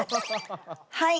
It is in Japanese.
はい。